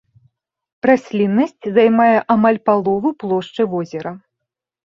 Расліннасць займае амаль палову плошчы возера.